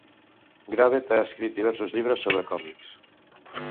Gravett ha escrit diversos llibres sobre còmics.